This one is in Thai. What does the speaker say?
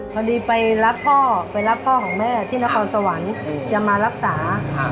พอดีไปรับพ่อไปรับพ่อของแม่ที่นครสวรรค์จะมารักษา